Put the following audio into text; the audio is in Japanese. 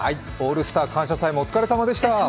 「オールスター感謝祭」もお疲れさまでした。